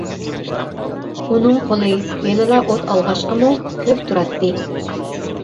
ئۇنىڭ قولى ھېلىلا ئوت ئالغاچقىمۇ كۆك تۇراتتى.